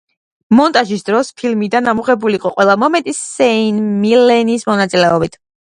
მონტაჟის დროს ფილმიდან ამოღებული იყო ყველა მომენტი სეინ მილერის მონაწილეობით.